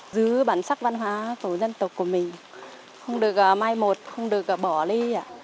giữ bản sắc văn hóa của dân tộc của mình không được mai một không được bỏ đi